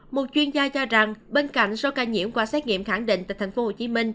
một chuyên gia cho rằng bên cạnh số ca nhiễm qua xét nghiệm khẳng định tại tp hcm